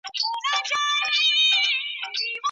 د لاس مینځل ولي مهم دي؟